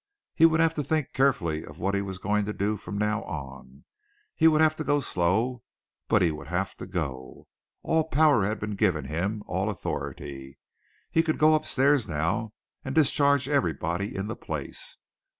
He would have to think carefully of what he was doing from now on. He would have to go slow, but he would have to go. All power had been given him all authority. He could go upstairs now and discharge everybody in the place.